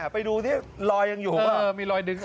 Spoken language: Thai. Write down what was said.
ไปดูลอยยังอยู่ไหม